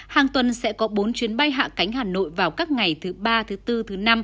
hàng tuần sẽ có bốn chuyến bay hạ cánh hà nội vào các ngày thứ ba thứ bốn thứ năm